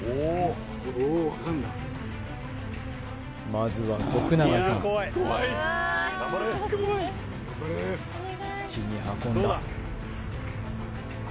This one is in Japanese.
まずは永さん口に運んだ